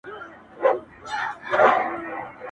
o خدايه لويه، ما وساتې بې زويه٫